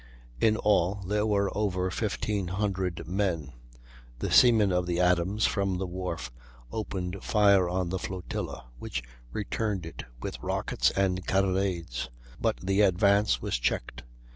In all there were over 1,500 men. The seamen of the Adams, from the wharf, opened fire on the flotilla, which returned it with rockets and carronades; but the advance was checked.